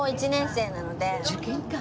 受験か。